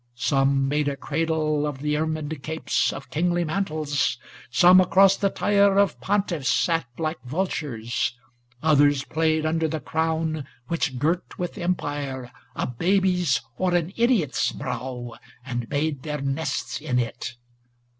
. Some made a cradle of the ermined capes ' Of kingly mantles ; some across the tiar Of pontiffs sate like vultures; others played Under the crown which girt with empire ' A baby's or an idiot's brow, and made Their nests in it.